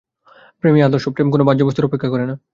প্রেমই আদর্শ, প্রেম কোন বাহ্যবস্তুর অপেক্ষা করে না।